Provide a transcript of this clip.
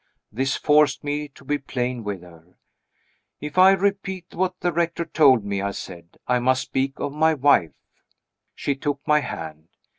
This forced me to be plain with her. "If I repeat what the Rector told me," I said, "I must speak of my wife." She took my hand.